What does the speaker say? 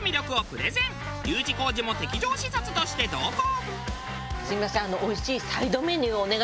Ｕ字工事も敵情視察として同行！